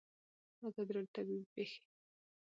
ازادي راډیو د طبیعي پېښې په اړه د راتلونکي هیلې څرګندې کړې.